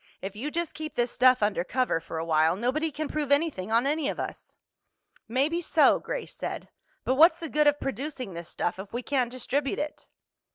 If you just keep this stuff undercover for a while, nobody can prove anything on any of us." "Maybe so," Grace said. "But what's the good of producing this stuff if we can't distribute it?"